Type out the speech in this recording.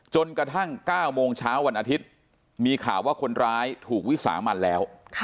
จนกระทั่ง๙โมงเช้าวันอาทิตย์มีข่าวว่าคนร้ายถูกวิสามันแล้ว